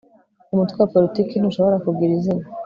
umutwe wa politiki ntushobora kugira izina